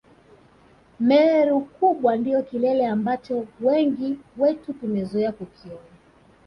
Meru kubwa ndio kilele ambacho wengi wetu tumezoea kukiona